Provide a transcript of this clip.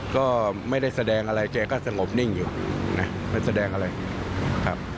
ก็ไม่ได้แสดงอะไรแกก็สงบนิ่งอยู่นะไม่แสดงอะไรครับ